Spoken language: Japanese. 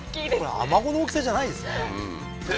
アマゴの大きさじゃないですねははははっ